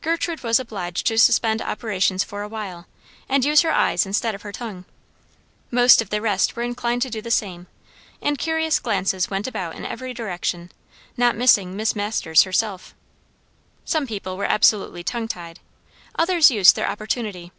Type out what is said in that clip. Gertrude was obliged to suspend operations for a while, and use her eyes instead of her tongue. Most of the rest were inclined to do the same; and curious glances went about in every direction, not missing Miss Masters herself. Some people were absolutely tongue tied; others used their opportunity.